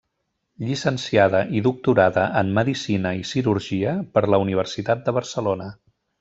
Llicenciada i doctorada en Medicina i cirurgia per la Universitat de Barcelona.